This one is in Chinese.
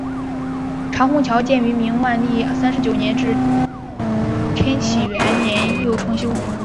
长虹桥建于明万历三十九年至天启元年又重修。